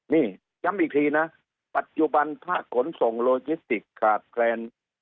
นี่ย้ำอีกทีนะปัจจุบันภาคขนส่งโลจิสติกขาดแคลน